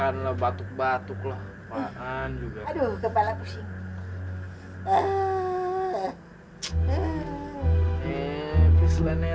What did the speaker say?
aduh ini kepala pusing